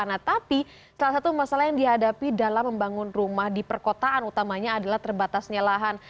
nah tapi salah satu masalah yang dihadapi dalam membangun rumah di perkotaan utamanya adalah terbatasnya lahan